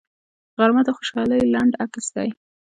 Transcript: غرمه د خوشحالۍ لنډ عکس دی